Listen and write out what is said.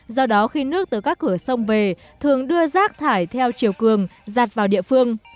do đó khi nước từ các cửa sông về thường đưa rác thải theo chiều cường giặt vào địa phương